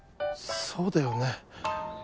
そうだよね。